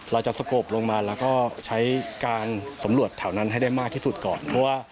สกบลงมาแล้วก็ใช้การสำรวจแถวนั้นให้ได้มากที่สุดก่อนเพราะว่า